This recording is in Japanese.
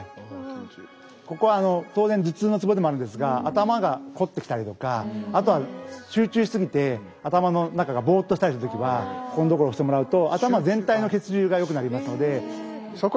ここは当然頭痛のツボでもあるんですが頭がこってきたりとかあとは集中しすぎて頭の中がボッとしたりする時はここの所を押してもらうと頭全体の血流がよくなりますので。